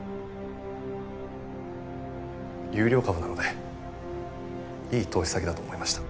優良株なのでいい投資先だと思いました。